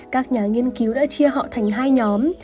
các nhà nghiên cứu đã chia họ thành hai nhóm